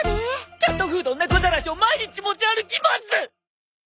キャットフード猫じゃらしを毎日持ち歩きます！